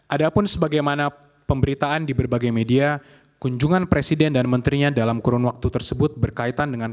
ada pun sebagaimana pemberitaan di berbagai media kunjungan presiden dan menterinya dalam kurun waktu tersebut berkaitan dengan